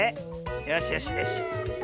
よしよしよしよし。